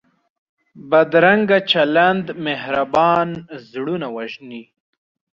بدرنګه چلند مهربان زړونه وژني